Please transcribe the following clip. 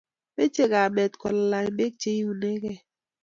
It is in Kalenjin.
meche kamet kolalany beek chekiunegei